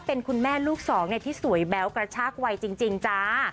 เป็นคุณแม่ลูกสองที่สวยแบ๊วกระชากวัยจริงจ้า